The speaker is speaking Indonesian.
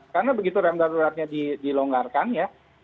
karena begitu rem daruratnya dilonggarkan ya